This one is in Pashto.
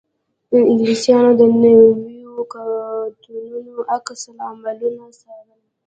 انګلیسیانو د نویو قوتونو عکس العملونه څارل.